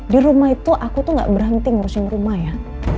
di rumah itu aku tuh gak berhenti ngurusin rumah ya